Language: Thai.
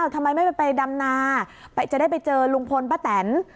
ทำไมไม่ไปดำนาจะได้ไปเจอลุงพลป้าแตน